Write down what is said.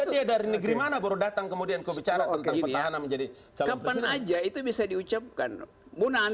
dia dari negeri mana baru datang kemudian kebicaraan tentang